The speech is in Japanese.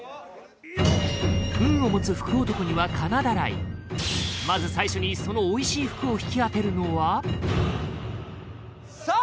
運を持つ福男には金ダライまず最初にそのオイシイ福を引き当てるのはさあ